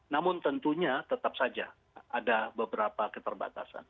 namun tentunya tetap saja ada beberapa keterbatasan